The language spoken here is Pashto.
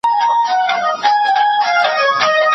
ما اورېدلي وو چي هغه د سند لپاره مقاله ليکلي ده.